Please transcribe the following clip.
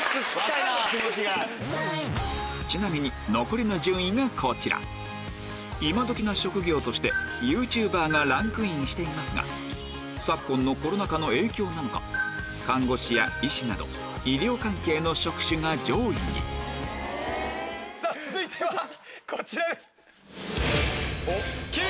ちなみに残りの順位がこちら今どきの職業としてＹｏｕＴｕｂｅｒがランクインしていますが昨今のコロナ禍の影響なのか看護師や医師など医療関係の職種が上位に続いてはこちらです。